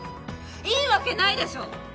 いいわけないでしょ！